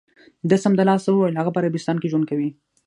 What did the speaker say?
ده سمدلاسه و ویل: هغه په عربستان کې ژوند کوي.